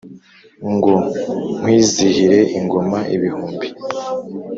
Ngo nkwizihire ingoma ibihumbi